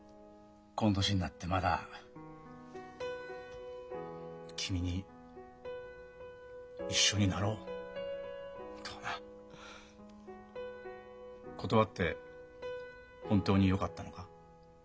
この年になってまだ君に「一緒になろう」とはな。断って本当によかったのか。